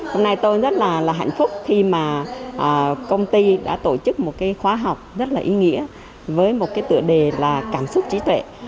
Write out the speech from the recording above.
hôm nay tôi rất là hạnh phúc khi mà công ty đã tổ chức một cái khóa học rất là ý nghĩa với một cái tựa đề là cảm xúc trí tuệ